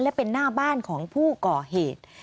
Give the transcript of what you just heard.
และเป็นหน้าบ้านของผู้ก่อเหตุ